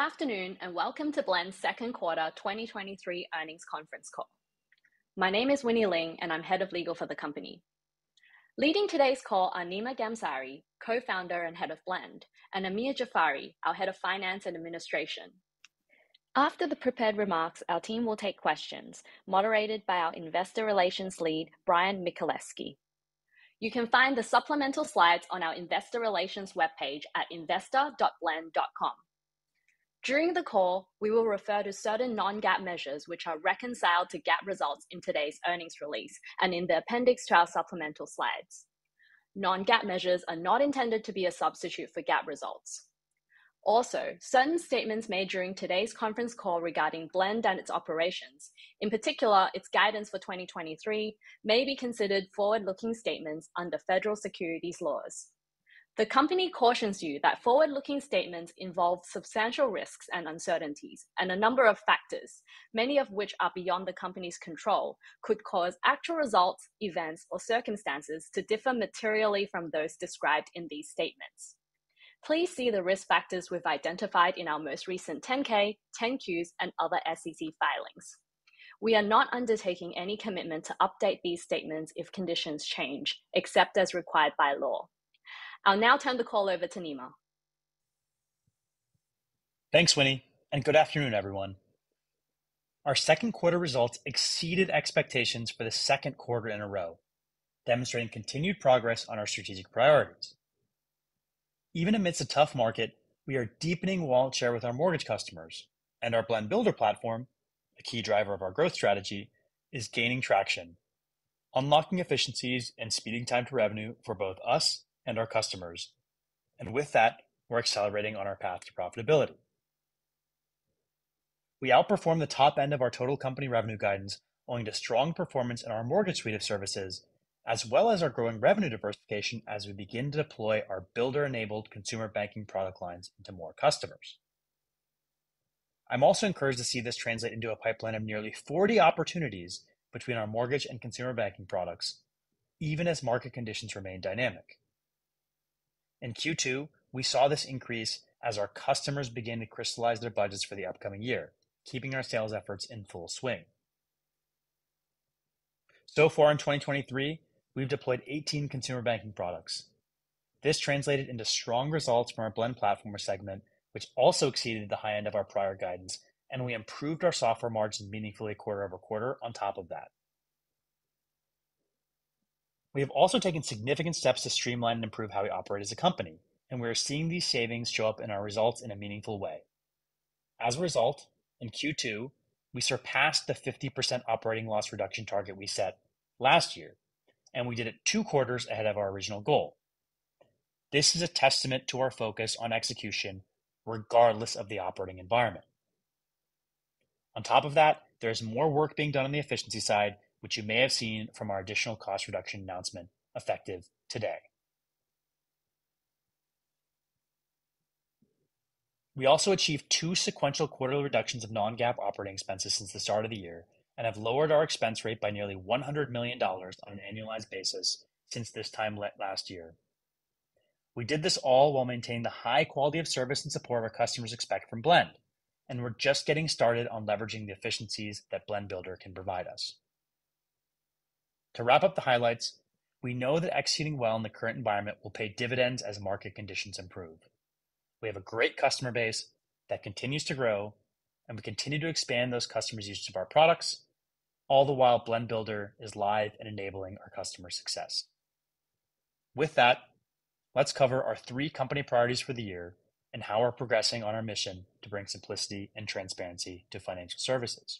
Good afternoon. Welcome to Blend's second quarter 2023 earnings conference call. My name is Winnie Ling, and I'm Head of Legal for the company. Leading today's call are Nima Ghamsari, Co-founder and Head of Blend, and Amir Jafari, our Head of Finance and Administration. After the prepared remarks, our team will take questions moderated by our Investor Relations Lead, Bryan Michaleski. You can find the supplemental slides on our investor relations webpage at investor.blend.com. During the call, we will refer to certain non-GAAP measures, which are reconciled to GAAP results in today's earnings release and in the appendix to our supplemental slides. Non-GAAP measures are not intended to be a substitute for GAAP results. Certain statements made during today's conference call regarding Blend and its operations, in particular, its guidance for 2023, may be considered forward-looking statements under federal securities laws. The company cautions you that forward-looking statements involve substantial risks and uncertainties, and a number of factors, many of which are beyond the company's control, could cause actual results, events, or circumstances to differ materially from those described in these statements. Please see the risk factors we've identified in our most recent 10-K, 10-Qs, and other SEC filings. We are not undertaking any commitment to update these statements if conditions change, except as required by law. I'll now turn the call over to Nima. Thanks, Winnie. Good afternoon, everyone. Our second quarter results exceeded expectations for the second quarter in a row, demonstrating continued progress on our strategic priorities. Even amidst a tough market, we are deepening wallet share with our mortgage customers and our Blend Builder platform, a key driver of our growth strategy, is gaining traction, unlocking efficiencies and speeding time to revenue for both us and our customers. With that, we're accelerating on our path to profitability. We outperformed the top end of our total company revenue guidance, owing to strong performance in our mortgage suite of services, as well as our growing revenue diversification as we begin to deploy our builder-enabled consumer banking product lines to more customers. I'm also encouraged to see this translate into a pipeline of nearly 40 opportunities between our mortgage and consumer banking products, even as market conditions remain dynamic. In Q2, we saw this increase as our customers began to crystallize their budgets for the upcoming year, keeping our sales efforts in full swing. So far in 2023, we've deployed 18 consumer banking products. This translated into strong results from our Blend Platform segment, which also exceeded the high end of our prior guidance. We improved our software margins meaningfully quarter-over-quarter on top of that. We have also taken significant steps to streamline and improve how we operate as a company. We are seeing these savings show up in our results in a meaningful way. As a result, in Q2, we surpassed the 50% operating loss reduction target we set last year. We did it two quarters ahead of our original goal. This is a testament to our focus on execution, regardless of the operating environment. On top of that, there's more work being done on the efficiency side, which you may have seen from our additional cost reduction announcement effective today. We also achieved two sequential quarterly reductions of non-GAAP operating expenses since the start of the year and have lowered our expense rate by nearly $100 million on an annualized basis since this time last year. We did this all while maintaining the high quality of service and support our customers expect from Blend, and we're just getting started on leveraging the efficiencies that Blend Builder can provide us. To wrap up the highlights, we know that executing well in the current environment will pay dividends as market conditions improve. We have a great customer base that continues to grow, we continue to expand those customers' use of our products, all the while, Blend Builder is live and enabling our customer success. With that, let's cover our three company priorities for the year and how we're progressing on our mission to bring simplicity and transparency to financial services.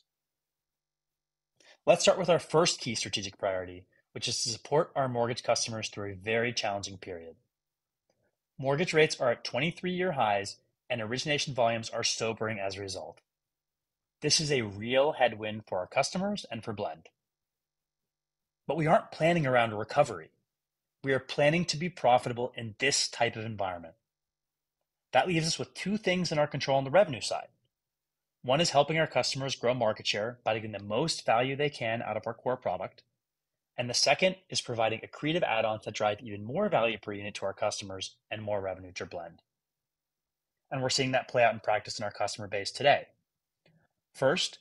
Let's start with our 1st key strategic priority, which is to support our mortgage customers through a very challenging period. Mortgage rates are at 23-year highs, origination volumes are sobering as a result. This is a real headwind for our customers and for Blend. We aren't planning around a recovery. We are planning to be profitable in this type of environment. That leaves us with two things in our control on the revenue side. One is helping our customers grow market share by getting the most value they can out of our core product. The second is providing accretive add-ons that drive even more value per unit to our customers and more revenue to Blend. We're seeing that play out in practice in our customer base today. First,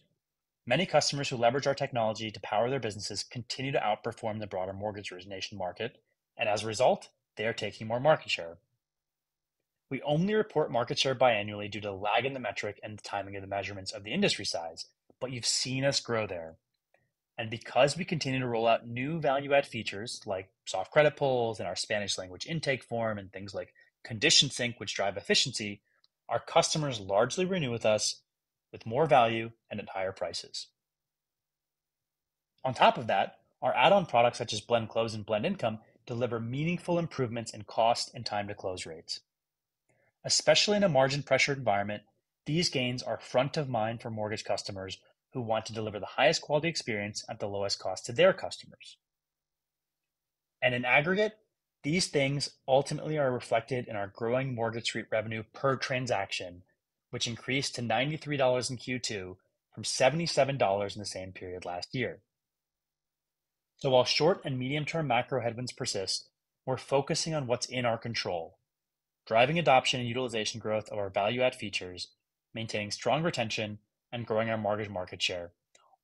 many customers who leverage our technology to power their businesses continue to outperform the broader mortgage origination market, and as a result, they are taking more market share. We only report market share biannually due to lag in the metric and the timing of the measurements of the industry size, but you've seen us grow there. Because we continue to roll out new value-add features like soft credit pulls and our Spanish language intake form, and things like Condition Sync, which drive efficiency, our customers largely renew with us with more value and at higher prices. On top of that, our add-on products, such as Blend Close and Blend Income, deliver meaningful improvements in cost and time to close rates. Especially in a margin-pressured environment, these gains are front of mind for mortgage customers who want to deliver the highest quality experience at the lowest cost to their customers. In aggregate, these things ultimately are reflected in our growing mortgage rate revenue per transaction, which increased to $93 in Q2 from $77 in the same period last year. While short and medium-term macro headwinds persist, we're focusing on what's in our control, driving adoption and utilization growth of our value-add features, maintaining strong retention, and growing our mortgage market share,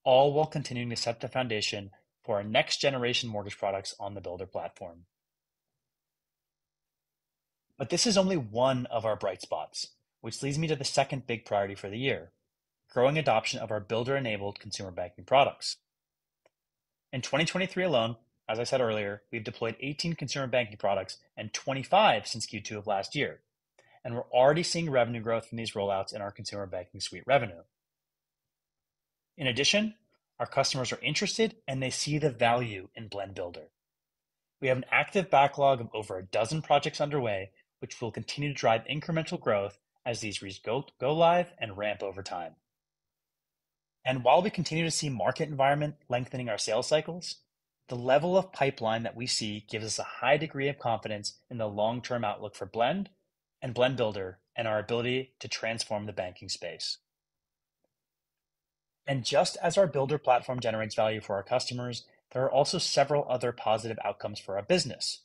all while continuing to set the foundation for our next-generation mortgage products on the Blend Platform. This is only one of our bright spots, which leads me to the second big priority for the year: growing adoption of our Builder-enabled consumer banking products. In 2023 alone, as I said earlier, we've deployed 18 consumer banking products and 25 since Q2 of last year, and we're already seeing revenue growth from these rollouts in our consumer banking suite revenue. In addition, our customers are interested, and they see the value in Blend Builder. We have an active backlog of over 12 projects underway, which will continue to drive incremental growth as these go live and ramp over time. While we continue to see market environment lengthening our sales cycles, the level of pipeline that we see gives us a high degree of confidence in the long-term outlook for Blend and Blend Builder and our ability to transform the banking space. Just as our Builder platform generates value for our customers, there are also several other positive outcomes for our business.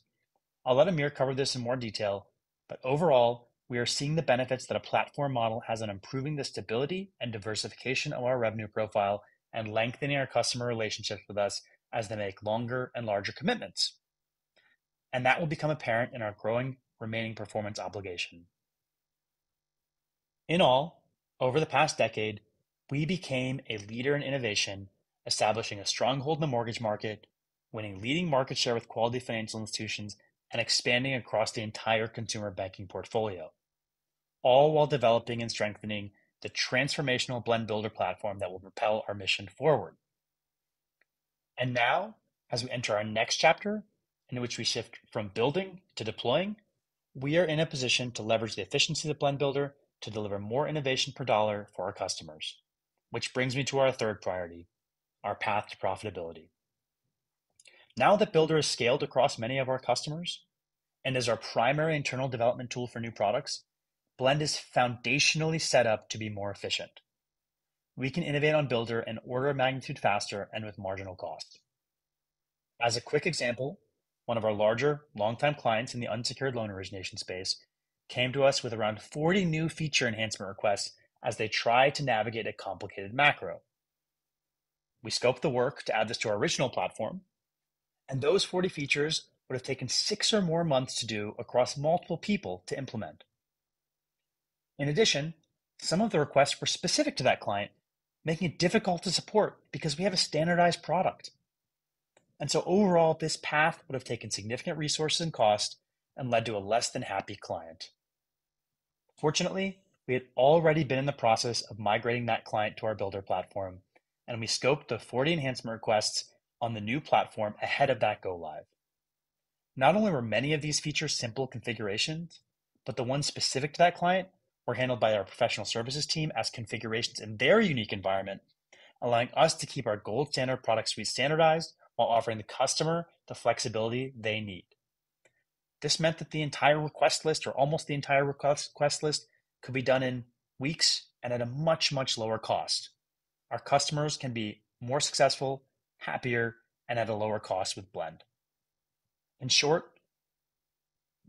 I'll let Amir cover this in more detail, but overall, we are seeing the benefits that a platform model has on improving the stability and diversification of our revenue profile and lengthening our customer relationships with us as they make longer and larger commitments. That will become apparent in our growing remaining performance obligation. In all, over the past decade, we became a leader in innovation, establishing a strong hold in the mortgage market, winning leading market share with quality financial institutions, and expanding across the entire consumer banking portfolio, all while developing and strengthening the transformational Blend Builder platform that will propel our mission forward. Now, as we enter our next chapter, in which we shift from building to deploying, we are in a position to leverage the efficiency of the Blend Builder to deliver more innovation per dollar for our customers, which brings me to our third priority, our path to profitability. Now that Builder is scaled across many of our customers and is our primary internal development tool for new products, Blend is foundationally set up to be more efficient. We can innovate on Builder an order of magnitude faster and with marginal cost. As a quick example, one of our larger long-time clients in the unsecured loan origination space came to us with around 40 new feature enhancement requests as they tried to navigate a complicated macro. Those 40 features would have taken six or more months to do across multiple people to implement. In addition, some of the requests were specific to that client, making it difficult to support because we have a standardized product. Overall, this path would have taken significant resources and cost and led to a less than happy client. Fortunately, we had already been in the process of migrating that client to our Blend Builder platform. We scoped the 40 enhancement requests on the new platform ahead of that go live. Not only were many of these features simple configurations, but the ones specific to that client were handled by our professional services team as configurations in their unique environment, allowing us to keep our gold standard product suite standardized while offering the customer the flexibility they need. This meant that the entire request list, or almost the entire request list, could be done in weeks and at a much, much lower cost. Our customers can be more successful, happier, and at a lower cost with Blend. In short,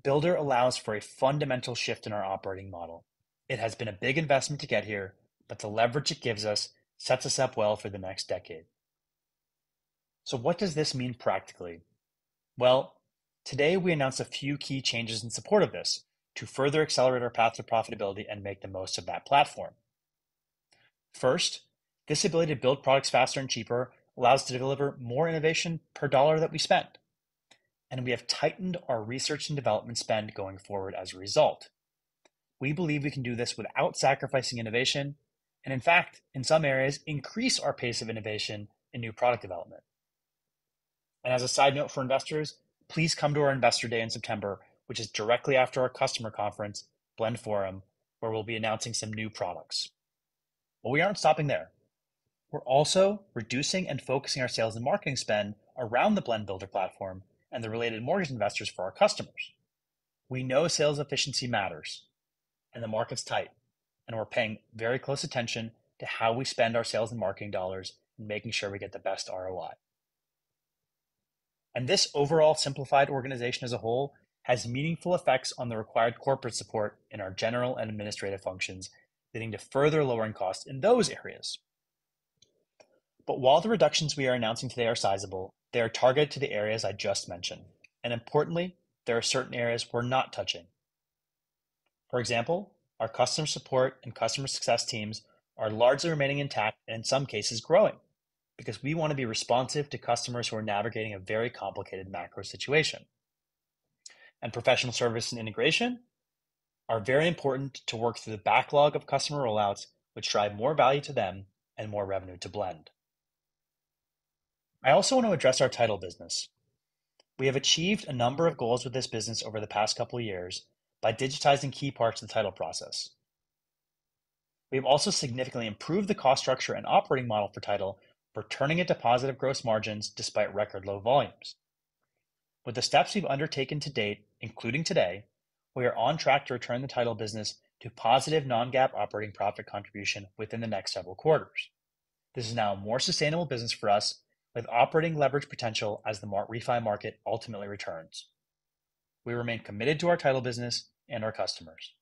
Builder allows for a fundamental shift in our operating model. It has been a big investment to get here, but the leverage it gives us sets us up well for the next decade. What does this mean practically? Well, today we announced a few key changes in support of this to further accelerate our path to profitability and make the most of that platform. First, this ability to build products faster and cheaper allows us to deliver more innovation per dollar that we spend, and we have tightened our research and development spend going forward as a result. We believe we can do this without sacrificing innovation and, in fact, in some areas, increase our pace of innovation in new product development. As a side note for investors, please come to our Investor Day in September, which is directly after our customer conference, Blend Forum, where we'll be announcing some new products. We aren't stopping there. We're also reducing and focusing our sales and marketing spend around the Blend Builder platform and the related mortgage investors for our customers. We know sales efficiency matters, and the market's tight, and we're paying very close attention to how we spend our sales and marketing dollars and making sure we get the best ROI. This overall simplified organization as a whole has meaningful effects on the required corporate support in our general and administrative functions, leading to further lowering costs in those areas. While the reductions we are announcing today are sizable, they are targeted to the areas I just mentioned. Importantly, there are certain areas we're not touching. For example, our customer support and customer success teams are largely remaining intact and in some cases growing, because we want to be responsive to customers who are navigating a very complicated macro situation. Professional service and integration are very important to work through the backlog of customer rollouts, which drive more value to them and more revenue to Blend. I also want to address our title business. We have achieved a number of goals with this business over the past couple of years by digitizing key parts of the title process. We have also significantly improved the cost structure and operating model for title for turning it to positive gross margins despite record low volumes. With the steps we've undertaken to date, including today, we are on track to return the title business to positive non-GAAP operating profit contribution within the next several quarters. This is now a more sustainable business for us, with operating leverage potential as the refi market ultimately returns. We remain committed to our title business and our customers.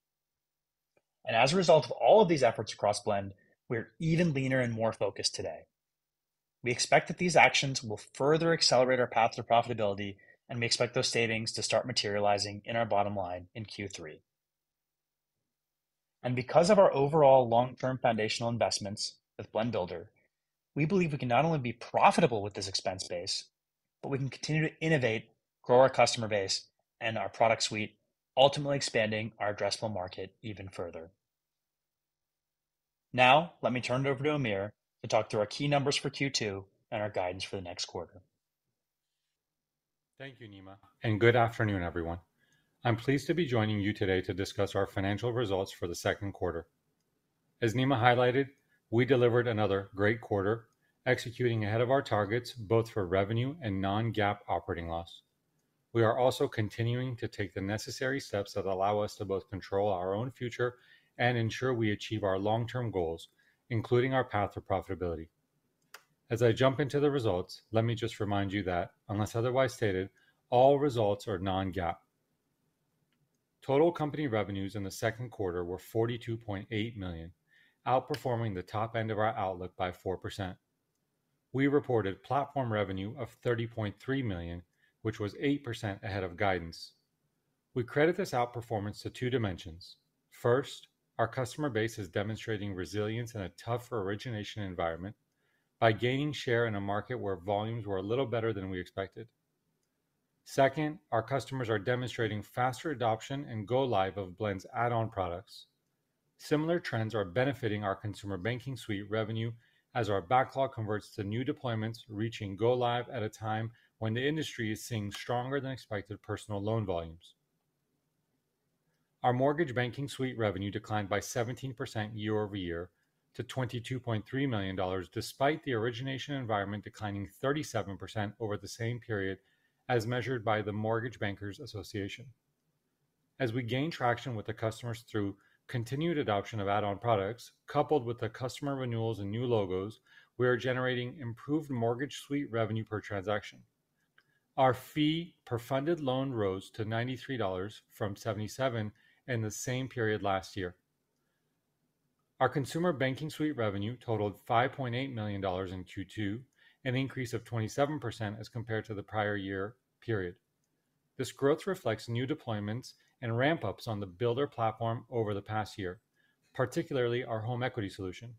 As a result of all of these efforts across Blend, we're even leaner and more focused today. We expect that these actions will further accelerate our path to profitability. We expect those savings to start materializing in our bottom line in Q3. Because of our overall long-term foundational investments with Blend Builder, we believe we can not only be profitable with this expense base, but we can continue to innovate, grow our customer base and our product suite, ultimately expanding our addressable market even further. Now, let me turn it over to Amir to talk through our key numbers for Q2 and our guidance for the next quarter. Thank you, Nima, good afternoon, everyone. I'm pleased to be joining you today to discuss our financial results for the second quarter. As Nima highlighted, we delivered another great quarter, executing ahead of our targets, both for revenue and non-GAAP operating loss. We are also continuing to take the necessary steps that allow us to both control our own future and ensure we achieve our long-term goals, including our path to profitability. As I jump into the results, let me just remind you that unless otherwise stated, all results are non-GAAP. Total company revenues in the second quarter were $42.8 million, outperforming the top end of our outlook by 4%. We reported Blend Platform revenue of $30.3 million, which was 8% ahead of guidance. We credit this outperformance to two dimensions. First, our customer base is demonstrating resilience in a tougher origination environment by gaining share in a market where volumes were a little better than we expected. Second, our customers are demonstrating faster adoption and go live of Blend's add-on products. Similar trends are benefiting our consumer banking suite revenue as our backlog converts to new deployments, reaching go live at a time when the industry is seeing stronger than expected personal loan volumes. Our mortgage banking suite revenue declined by 17% year-over-year to $22.3 million, despite the origination environment declining 37% over the same period as measured by the Mortgage Bankers Association. As we gain traction with the customers through continued adoption of add-on products, coupled with the customer renewals and new logos, we are generating improved Mortgage Suite revenue per transaction. Our fee per funded loan rose to $93 from $77 in the same period last year. Our consumer banking suite revenue totaled $5.8 million in Q2, an increase of 27% as compared to the prior year period. This growth reflects new deployments and ramp-ups on the Blend Builder platform over the past year, particularly our home equity solution.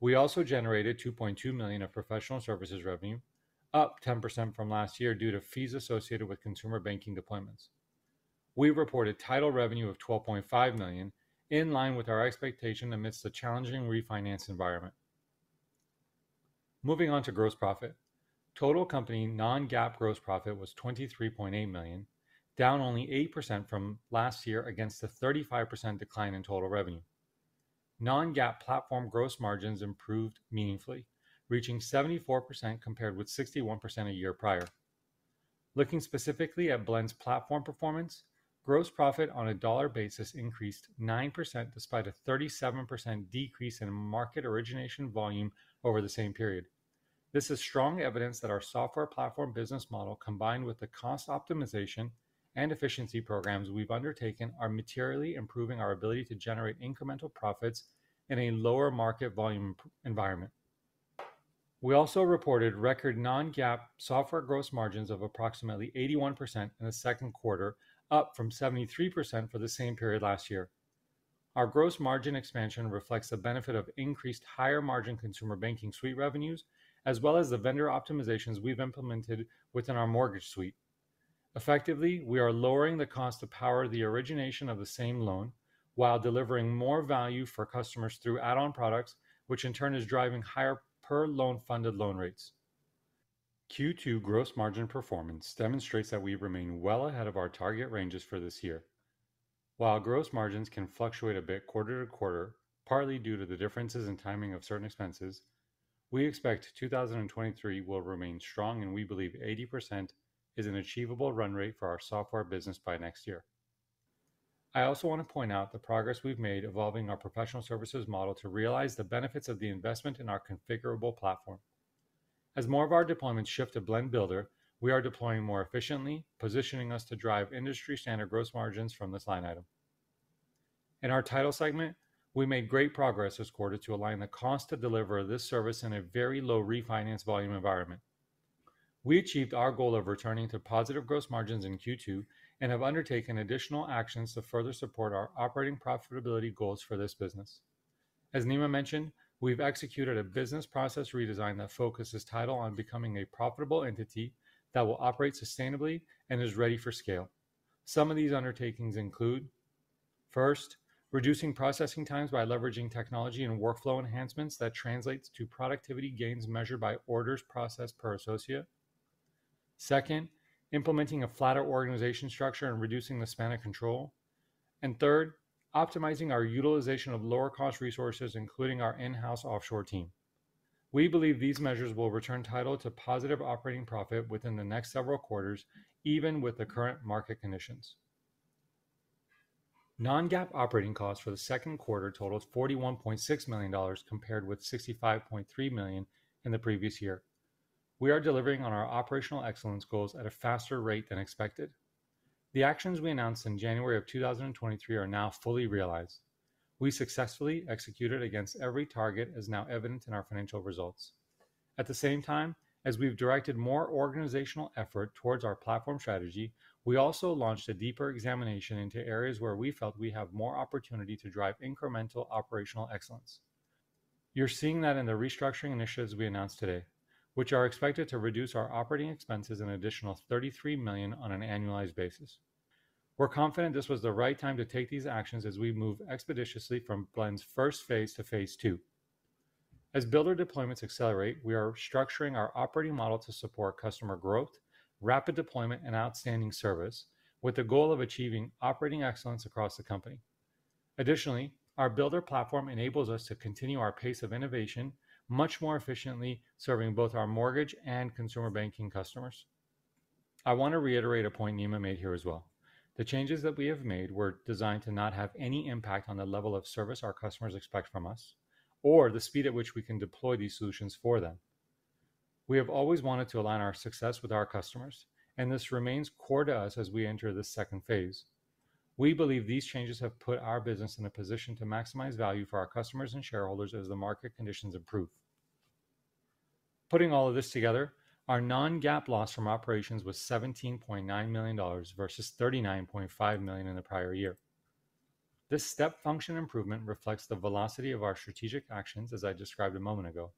We also generated $2.2 million of professional services revenue, up 10% from last year due to fees associated with consumer banking deployments. We reported title revenue of $12.5 million, in line with our expectation amidst a challenging refinance environment. Moving on to gross profit. Total company non-GAAP gross profit was $23.8 million, down only 8% from last year against a 35% decline in total revenue. Non-GAAP platform gross margins improved meaningfully, reaching 74%, compared with 61% a year prior. Looking specifically at Blend's platform performance, gross profit on a dollar basis increased 9%, despite a 37% decrease in market origination volume over the same period. This is strong evidence that our software platform business model, combined with the cost optimization and efficiency programs we've undertaken, are materially improving our ability to generate incremental profits in a lower market volume environment. We also reported record non-GAAP software gross margins of approximately 81% in the second quarter, up from 73% for the same period last year. Our gross margin expansion reflects the benefit of increased higher-margin consumer banking suite revenues, as well as the vendor optimizations we've implemented within our mortgage suite. Effectively, we are lowering the cost to power the origination of the same loan while delivering more value for customers through add-on products, which in turn is driving higher per loan funded loan rates. Q2 gross margin performance demonstrates that we remain well ahead of our target ranges for this year. While gross margins can fluctuate a bit quarter to quarter, partly due to the differences in timing of certain expenses, we expect 2023 will remain strong, and we believe 80% is an achievable run rate for our software business by next year. I also want to point out the progress we've made evolving our professional services model to realize the benefits of the investment in our configurable platform. As more of our deployments shift to Blend Builder, we are deploying more efficiently, positioning us to drive industry standard gross margins from this line item. In our title segment, we made great progress this quarter to align the cost to deliver this service in a very low refinance volume environment. We achieved our goal of returning to positive gross margins in Q2 and have undertaken additional actions to further support our operating profitability goals for this business. As Nima mentioned, we've executed a business process redesign that focuses title on becoming a profitable entity that will operate sustainably and is ready for scale. Some of these undertakings include, first, reducing processing times by leveraging technology and workflow enhancements that translates to productivity gains measured by orders processed per associate. Second, implementing a flatter organization structure and reducing the span of control. Third, optimizing our utilization of lower-cost resources, including our in-house offshore team. We believe these measures will return title to positive operating profit within the next several quarters, even with the current market conditions. Non-GAAP operating costs for the second quarter totaled $41.6 million, compared with $65.3 million in the previous year. We are delivering on our operational excellence goals at a faster rate than expected. The actions we announced in January 2023 are now fully realized. We successfully executed against every target, as now evident in our financial results. At the same time, as we've directed more organizational effort towards our platform strategy, we also launched a deeper examination into areas where we felt we have more opportunity to drive incremental operational excellence. You're seeing that in the restructuring initiatives we announced today, which are expected to reduce our operating expenses an additional $33 million on an annualized basis. We're confident this was the right time to take these actions as we move expeditiously from Blend's first phase to phase two. As Builder deployments accelerate, we are structuring our operating model to support customer growth, rapid deployment, and outstanding service, with the goal of achieving operating excellence across the company. Additionally, our Builder platform enables us to continue our pace of innovation much more efficiently, serving both our mortgage and consumer banking customers. I want to reiterate a point Nima made here as well. The changes that we have made were designed to not have any impact on the level of service our customers expect from us or the speed at which we can deploy these solutions for them. We have always wanted to align our success with our customers, and this remains core to us as we enter this second phase. We believe these changes have put our business in a position to maximize value for our customers and shareholders as the market conditions improve. Putting all of this together, our non-GAAP loss from operations was $17.9 million versus $39.5 million in the prior year. This step function improvement reflects the velocity of our strategic actions, as I described a moment ago.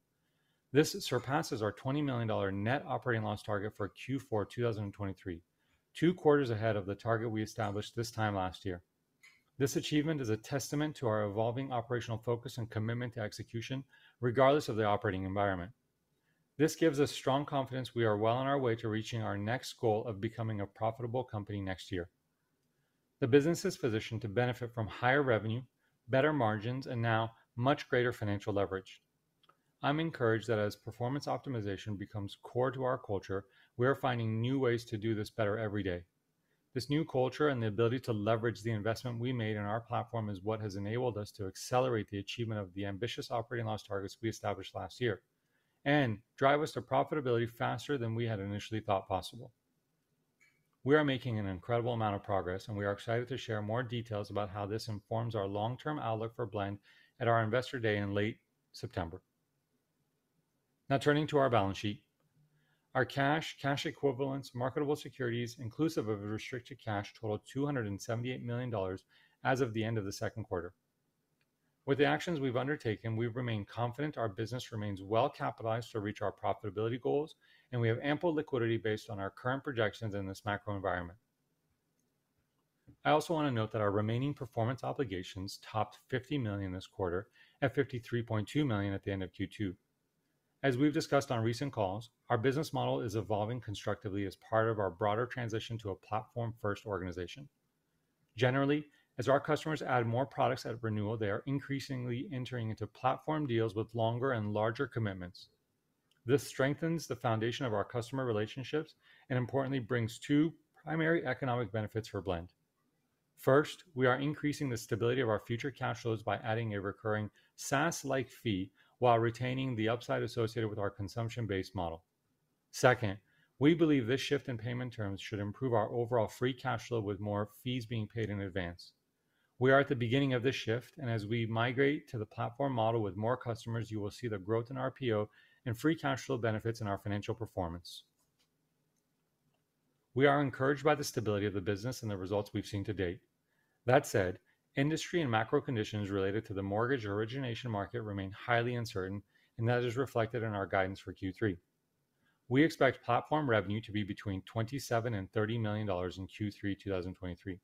This surpasses our $20 million net operating loss target for Q4 2023, two quarters ahead of the target we established this time last year. This achievement is a testament to our evolving operational focus and commitment to execution, regardless of the operating environment. This gives us strong confidence we are well on our way to reaching our next goal of becoming a profitable company next year. The business is positioned to benefit from higher revenue, better margins, and now much greater financial leverage. I'm encouraged that as performance optimization becomes core to our culture, we are finding new ways to do this better every day. This new culture and the ability to leverage the investment we made in our platform is what has enabled us to accelerate the achievement of the ambitious operating loss targets we established last year and drive us to profitability faster than we had initially thought possible. We are making an incredible amount of progress, and we are excited to share more details about how this informs our long-term outlook for Blend at our Investor Day in late September. Turning to our balance sheet. Our cash, cash equivalents, marketable securities, inclusive of restricted cash, totaled $278 million as of the end of the second quarter. With the actions we've undertaken, we've remained confident our business remains well-capitalized to reach our profitability goals, and we have ample liquidity based on our current projections in this macro environment. I also want to note that our remaining performance obligations topped $50 million this quarter at $53.2 million at the end of Q2. As we've discussed on recent calls, our business model is evolving constructively as part of our broader transition to a platform-first organization. Generally, as our customers add more products at renewal, they are increasingly entering into platform deals with longer and larger commitments. This strengthens the foundation of our customer relationships and importantly, brings two primary economic benefits for Blend. First, we are increasing the stability of our future cash flows by adding a recurring SaaS-like fee while retaining the upside associated with our consumption-based model. Second, we believe this shift in payment terms should improve our overall free cash flow, with more fees being paid in advance. We are at the beginning of this shift, and as we migrate to the platform model with more customers, you will see the growth in our RPO and free cash flow benefits in our financial performance. We are encouraged by the stability of the business and the results we've seen to date. That said, industry and macro conditions related to the mortgage origination market remain highly uncertain, and that is reflected in our guidance for Q3. We expect platform revenue to be between $27 million-$30 million in Q3 2023.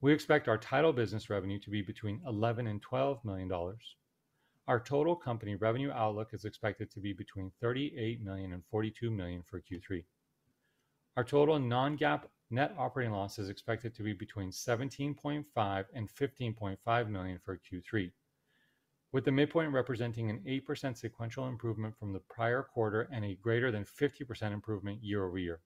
We expect our title business revenue to be between $11 million-$12 million. Our total company revenue outlook is expected to be between $38 million-$42 million for Q3. Our total non-GAAP net operating loss is expected to be between $17.5 million and $15.5 million for Q3, with the midpoint representing an 8% sequential improvement from the prior quarter and a greater than 50% improvement year-over-year.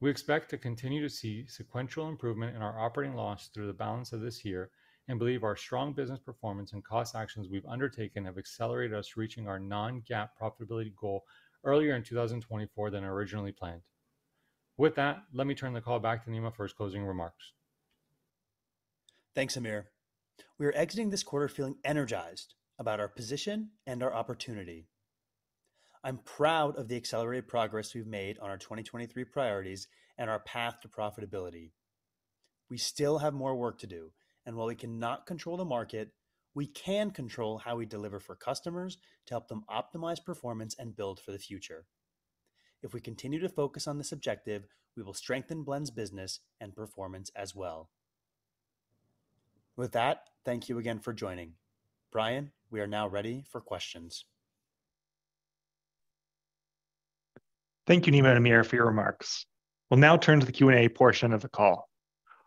We expect to continue to see sequential improvement in our operating loss through the balance of this year and believe our strong business performance and cost actions we've undertaken have accelerated us reaching our non-GAAP profitability goal earlier in 2024 than originally planned. With that, let me turn the call back to Nima for his closing remarks. Thanks, Amir. We are exiting this quarter feeling energized about our position and our opportunity. I'm proud of the accelerated progress we've made on our 2023 priorities and our path to profitability. We still have more work to do, and while we cannot control the market, we can control how we deliver for customers to help them optimize performance and build for the future. If we continue to focus on this objective, we will strengthen Blend's business and performance as well. With that, thank you again for joining. Bryan, we are now ready for questions. Thank you, Nima and Amir, for your remarks. We'll now turn to the Q&A portion of the call.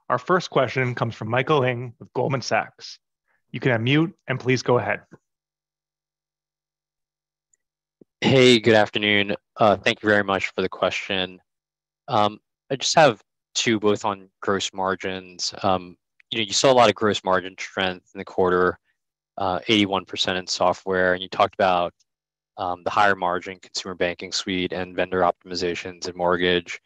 Our first question comes from Michael Ng with Goldman Sachs. You can unmute, and please go ahead. Hey, good afternoon. Thank you very much for the question. I just have two, both on gross margins. You know, you saw a lot of gross margin strength in the quarter, 81% in software, and you talked about the higher margin consumer banking suite and vendor optimizations in mortgage.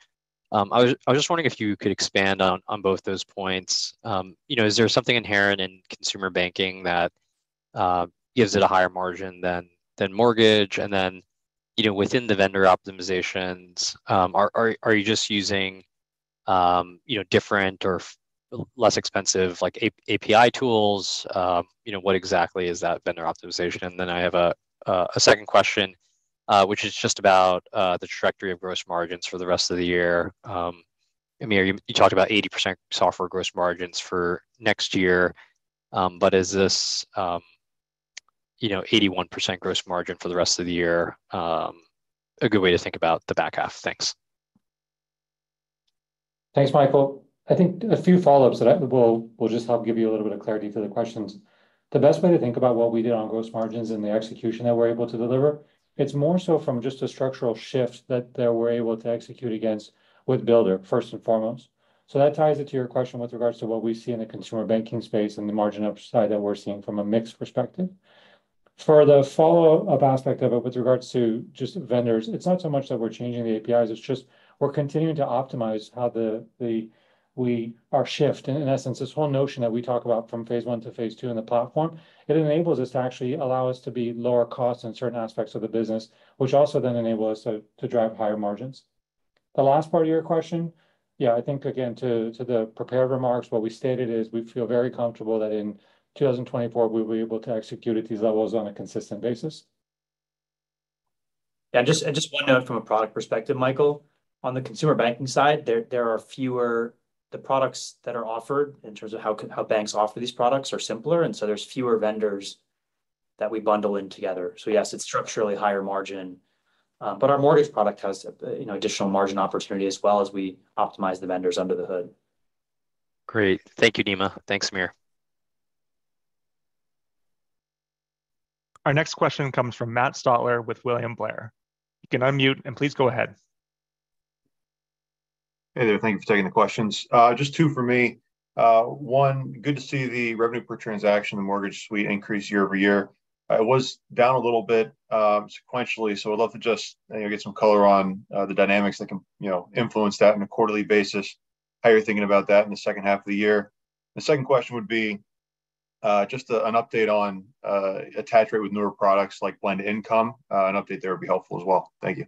I was just wondering if you could expand on both those points. You know, is there something inherent in consumer banking that gives it a higher margin than mortgage? within the vendor optimizations, are you just using, you know, different or less expensive, like, API tools? You know, what exactly is that vendor optimization? I have a second question, which is just about the trajectory of gross margins for the rest of the year. Amir, you talked about 80% software gross margins for next year, but is this, you know, 81% gross margin for the rest of the year, a good way to think about the back half? Thanks. Thanks, Michael. I think a few follow-ups that well, will just help give you a little bit of clarity for the questions. The best way to think about what we did on gross margins and the execution that we're able to deliver, it's more so from just a structural shift that we're able to execute against with Builder, first and foremost. That ties it to your question with regards to what we see in the consumer banking space and the margin upside that we're seeing from a mix perspective. For the follow-up aspect of it, with regards to just vendors, it's not so much that we're changing the APIs, it's just we're continuing to optimize how the. Our shift, in essence, this whole notion that we talk about from phase one to phase two in the platform, it enables us to actually allow us to be lower cost in certain aspects of the business, which also then enable us to drive higher margins. The last part of your question, yeah, I think, again, to the prepared remarks, what we stated is we feel very comfortable that in 2024, we'll be able to execute at these levels on a consistent basis. Yeah, just, and just one note from a product perspective, Michael. On the consumer banking side, there are fewer the products that are offered in terms of how banks offer these products are simpler, and so there's fewer vendors that we bundle in together. Yes, it's structurally higher margin, but our mortgage product has, you know, additional margin opportunity as well as we optimize the vendors under the hood. Great. Thank you, Nima. Thanks, Amir. Our next question comes from Matt Stotler with William Blair. You can unmute, and please go ahead. Hey there. Thank you for taking the questions. Just two for me. One, good to see the revenue per transaction in the Mortgage Suite increase year-over-year. It was down a little bit, sequentially, so I'd love to just, you know, get some color on the dynamics that can, you know, influence that on a quarterly basis, how you're thinking about that in the second half of the year. The second question would be just an update on attach rate with newer products like Blend Income. An update there would be helpful as well. Thank you.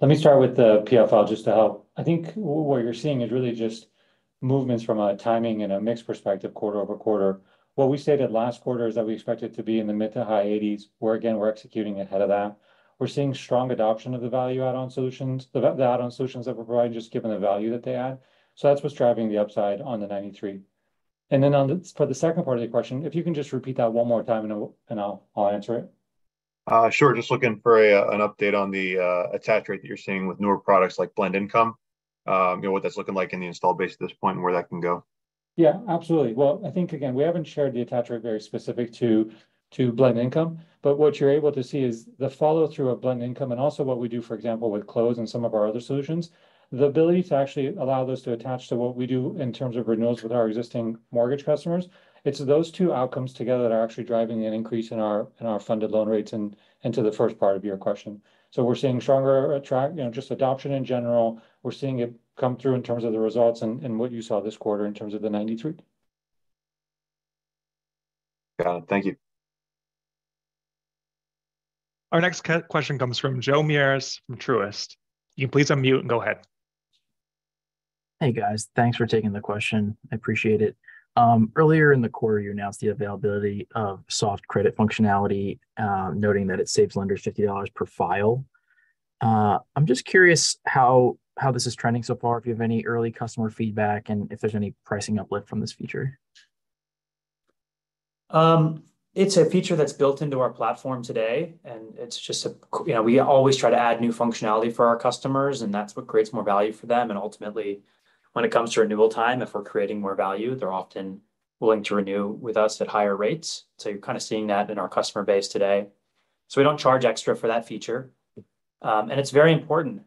Let me start with the P&L just to help. I think what you're seeing is really just movements from a timing and a mix perspective quarter-over-quarter. What we stated last quarter is that we expect it to be in the mid to high 80s, where again, we're executing ahead of that. We're seeing strong adoption of the value add-on solutions, the add-on solutions that we're providing, just given the value that they add. That's what's driving the upside on the 93. Then on the for the second part of the question, if you can just repeat that one more time, and I'll answer it. Sure. Just looking for an update on the attach rate that you're seeing with newer products like Blend Income, you know, what that's looking like in the install base at this point and where that can go. Yeah, absolutely. Well, I think, again, we haven't shared the attach rate very specific to, to Blend Income, but what you're able to see is the follow-through of Blend Income and also what we do, for example, with Blend Close and some of our other solutions. The ability to actually allow those to attach to what we do in terms of renewals with our existing mortgage customers, it's those two outcomes together that are actually driving an increase in our, in our funded loan rates, and, and to the first part of your question. We're seeing stronger attract, you know, just adoption in general. We're seeing it come through in terms of the results and, and what you saw this quarter in terms of the 93. Got it. Thank you. Our next question comes from Joe Meares from Truist. You can please unmute and go ahead. Hey, guys. Thanks for taking the question. I appreciate it. Earlier in the quarter, you announced the availability of soft credit functionality, noting that it saves lenders $50 per file. I'm just curious how, how this is trending so far, if you have any early customer feedback, and if there's any pricing uplift from this feature. It's a feature that's built into our platform today, and it's just a you know, we always try to add new functionality for our customers, and that's what creates more value for them. Ultimately, when it comes to renewal time, if we're creating more value, they're often willing to renew with us at higher rates. You're kind of seeing that in our customer base today. We don't charge extra for that feature. It's very important.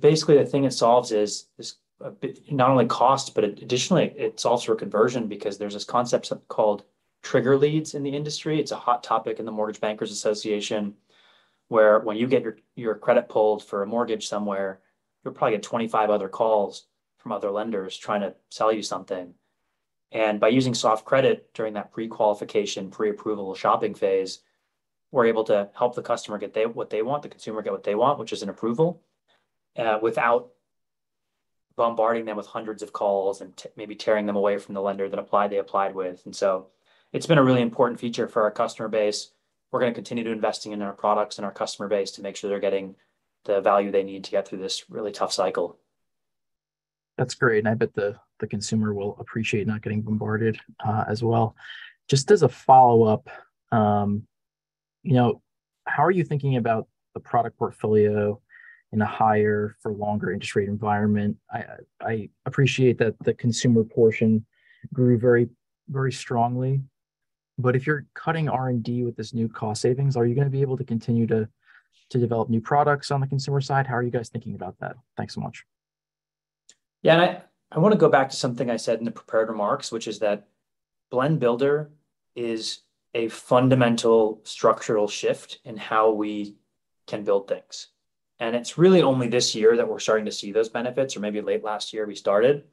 Basically, the thing it solves is, is a not only cost, but additionally, it's also a conversion because there's this concept called trigger leads in the industry. It's a hot topic in the Mortgage Bankers Association, where when you get your, your credit pulled for a mortgage somewhere, you'll probably get 25 other calls from other lenders trying to sell you something. By using soft credit during that pre-qualification, pre-approval shopping phase, we're able to help the customer get what they want, the consumer get what they want, which is an approval, without bombarding them with hundreds of calls and maybe tearing them away from the lender that they applied with. It's been a really important feature for our customer base. We're going to continue to investing in our products and our customer base to make sure they're getting the value they need to get through this really tough cycle. ... That's great, and I bet the, the consumer will appreciate not getting bombarded, as well. Just as a follow-up, you know, how are you thinking about the product portfolio in a higher, for longer interest rate environment? I, I, I appreciate that the consumer portion grew very, very strongly, but if you're cutting R+D with this new cost savings, are you gonna be able to continue to, to develop new products on the consumer side? How are you guys thinking about that? Thanks so much. Yeah, I want to go back to something I said in the prepared remarks, which is that Blend Builder is a fundamental structural shift in how we can build things. It's really only this year that we're starting to see those benefits, or maybe late last year we started.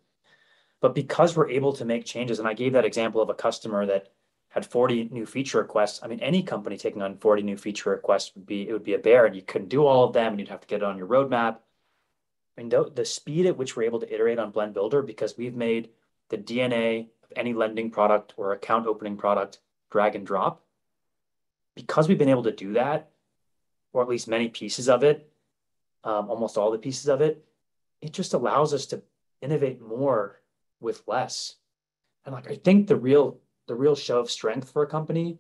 Because we're able to make changes, and I gave that example of a customer that had 40 new feature requests. I mean, any company taking on 40 new feature requests would be a bear, you couldn't do all of them, you'd have to get it on your roadmap. I mean, the speed at which we're able to iterate on Blend Builder, because we've made the DNA of any lending product or account-opening product drag and drop. Because we've been able to do that, or at least many pieces of it, almost all the pieces of it, it just allows us to innovate more with less. Like, I think the real, the real show of strength for a company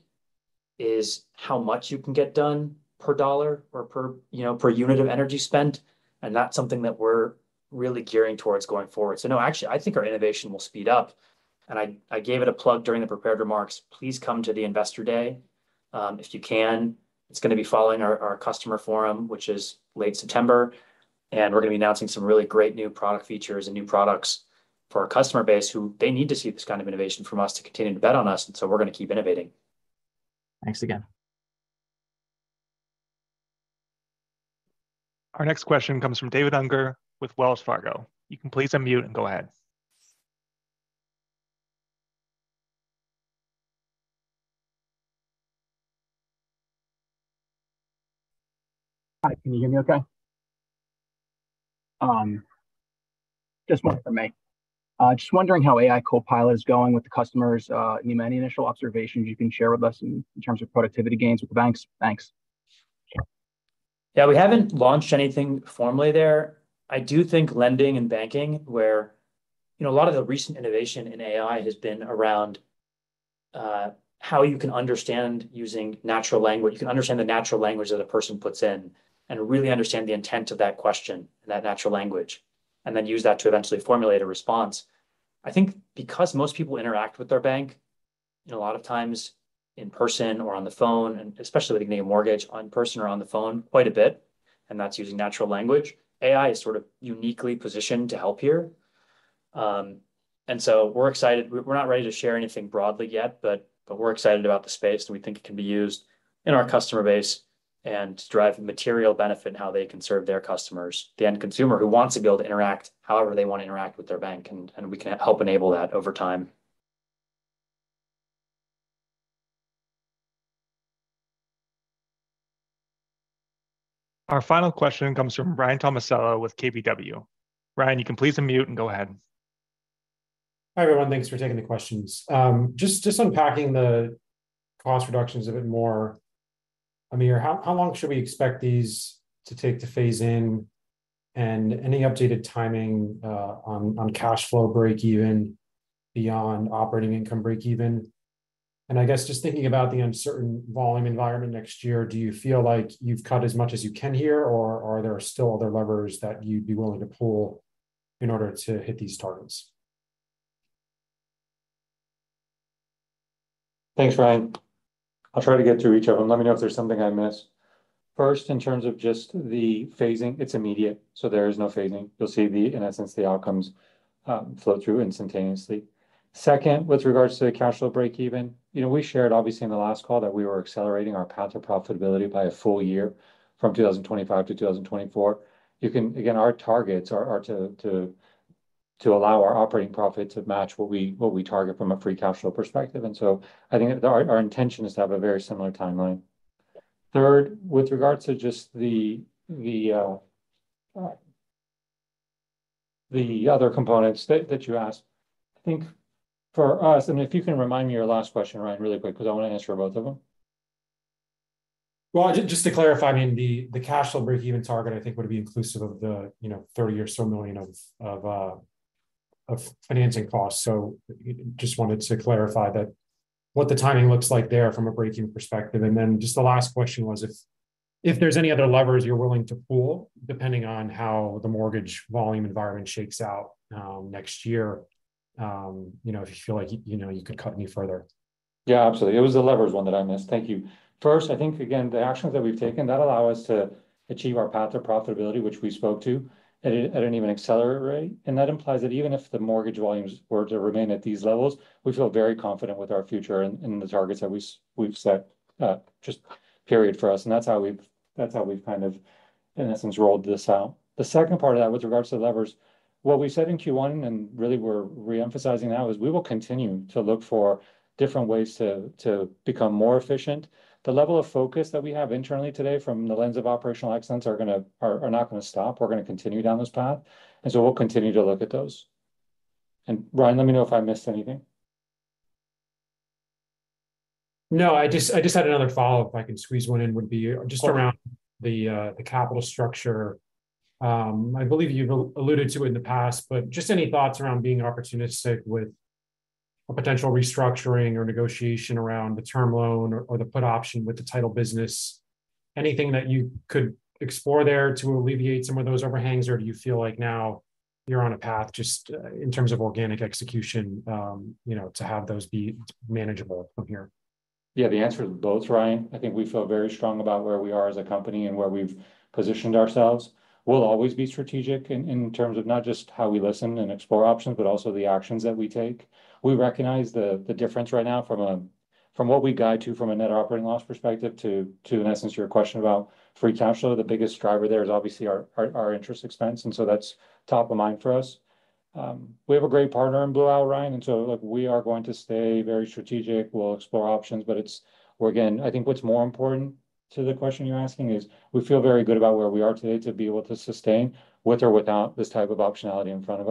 is how much you can get done per dollar or per, you know, per unit of energy spent, and that's something that we're really gearing towards going forward. No, actually, I think our innovation will speed up. I, I gave it a plug during the prepared remarks. Please come to the Investor Day if you can. It's gonna be following our, our Blend Forum, which is late September. We're gonna be announcing some really great new product features and new products for our customer base, who they need to see this kind of innovation from us to continue to bet on us. We're gonna keep innovating. Thanks again. Our next question comes from David Unger with Wells Fargo. You can please unmute and go ahead. Hi, can you hear me okay? Just one from me. Just wondering how AI Copilot is going with the customers. Any, any initial observations you can share with us in, in terms of productivity gains with the banks? Thanks. Yeah, we haven't launched anything formally there. I do think lending and banking, where, you know, a lot of the recent innovation in AI has been around, how you can understand using natural language, you can understand the natural language that a person puts in and really understand the intent of that question and that natural language, and then use that to eventually formulate a response. I think because most people interact with their bank, and a lot of times in person or on the phone, and especially when you get a mortgage, in person or on the phone quite a bit, and that's using natural language, AI is sort of uniquely positioned to help here. So we're excited. We're, we're not ready to share anything broadly yet, but, but we're excited about the space, and we think it can be used in our customer base and drive material benefit in how they can serve their customers. The end consumer who wants to be able to interact however they want to interact with their bank, and, and we can help enable that over time. Our final question comes from Ryan Tomasello with KBW. Ryan, you can please unmute and go ahead. Hi, everyone. Thanks for taking the questions. just, just unpacking the cost reductions a bit more. I mean, how, how long should we expect these to take to phase in? Any updated timing on cash flow breakeven beyond operating income breakeven? I guess just thinking about the uncertain volume environment next year, do you feel like you've cut as much as you can here, or are there still other levers that you'd be willing to pull in order to hit these targets? Thanks, Ryan. I'll try to get through each of them. Let me know if there's something I missed. First, in terms of just the phasing, it's immediate, so there is no phasing. You'll see the, in essence, the outcomes flow through instantaneously. Second, with regards to the cash flow breakeven, you know, we shared, obviously, in the last call that we were accelerating our path to profitability by a full year, from 2025 to 2024. Again, our targets are, are to, to, to allow our operating profit to match what we, what we target from a free cash flow perspective, and so I think our, our intention is to have a very similar timeline. Third, with regards to just the, the, the other components that, that you asked, I think for us, and if you can remind me your last question, Ryan, really quick, 'cause I wanna answer both of them? Well, just to clarify, I mean, the cash flow breakeven target, I think, would be inclusive of the, you know, $30 million of financing costs. Just wanted to clarify that, what the timing looks like there from a breakeven perspective. Then just the last question was, if there's any other levers you're willing to pull, depending on how the mortgage volume environment shakes out next year, you know, if you feel like, you know, you could cut any further? Yeah, absolutely. It was the levers one that I missed. Thank you. First, I think, again, the actions that we've taken, that allow us to achieve our path to profitability, which we spoke to, at an even accelerate rate. That implies that even if the mortgage volumes were to remain at these levels, we feel very confident with our future and the targets that we've set just period for us. That's how we've, that's how we've kind of, in essence, rolled this out. The second part of that, with regards to the levers, what we said in Q1, and really we're re-emphasizing now, is we will continue to look for different ways to, to become more efficient. The level of focus that we have internally today, from the lens of operational excellence, are gonna, are not gonna stop. We're gonna continue down this path, and so we'll continue to look at those. Ryan, let me know if I missed anything. No, I just, I just had another follow-up, if I could squeeze one in, would be- Of course.... just around the capital structure. I believe you've alluded to it in the past, but just any thoughts around being opportunistic with a potential restructuring or negotiation around the term loan or, or the put option with the title business? Anything that you could explore there to alleviate some of those overhangs, or do you feel like now you're on a path, just in terms of organic execution, you know, to have those be manageable from here? Yeah, the answer is both, Ryan. I think we feel very strong about where we are as a company and where we've positioned ourselves. We'll always be strategic in terms of not just how we listen and explore options, but also the actions that we take. We recognize the difference right now from what we guide to from a net operating loss perspective to, in essence, your question about free cash flow. The biggest driver there is obviously our interest expense, and so that's top of mind for us. We have a great partner in Blue Owl, Ryan, and so, look, we are going to stay very strategic. We'll explore options, but it's, again, I think what's more important to the question you're asking is, we feel very good about where we are today to be able to sustain with or without this type of optionality in front of us.